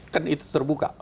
kan itu terbuka